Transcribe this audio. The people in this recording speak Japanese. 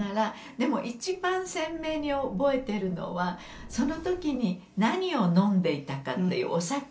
でも一番鮮明に覚えてるのはその時に何を飲んでいたかっていうお酒。